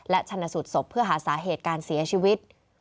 และชนะสูตรศพเพื่อหาสาเหตุการเสียชีวิต